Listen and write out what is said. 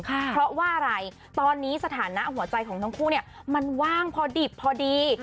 เพราะว่าอะไรตอนนี้สถานะหัวใจของทั้งคู่เนี่ยมันว่างพอดิบพอดี